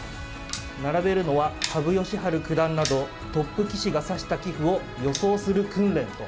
並べるのは羽生善治九段などトップ棋士が指した棋譜を予想する訓練と。